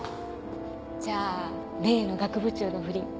じゃあ例の学部長の不倫書いたら？